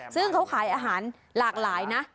ซึ่งเขาขายอาหารหลากหลายนะ